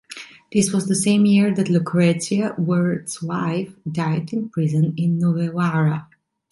This was the same year that Lucrezia, Wert's wife, died in prison in Novellara.